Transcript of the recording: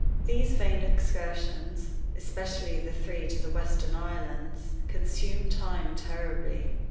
These vain excursions especially the three to the western islands consumed time terribly.